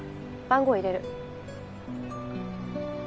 番号入れる。